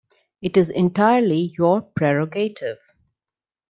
It is entirely your prerogative.